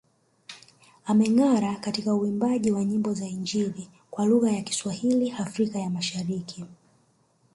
Amengara katika uimbaji wa nyimbo za Injili kwa lugha ya Kiswahili Afrika ya Mashariki